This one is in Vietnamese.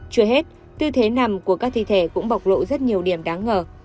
chưa hết tư thế nằm của các thi thể cũng bộc lộ rất nhiều điểm đáng ngờ